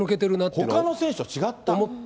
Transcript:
ほかの選手と違った。